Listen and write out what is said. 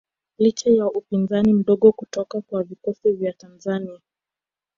Licha ya upinzani mdogo kutoka kwa vikosi vya Tanzania